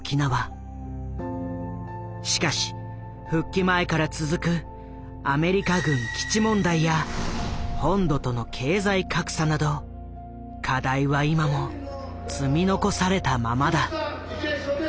しかし復帰前から続くアメリカ軍基地問題や本土との経済格差など課題は今も積み残されたままだ。